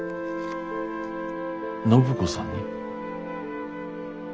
暢子さんに？